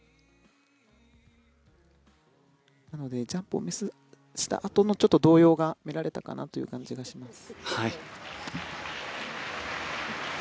なのでジャンプをミスしたあとの動揺が見られたかなという感じがします。